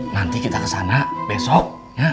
nanti kita ke sana besok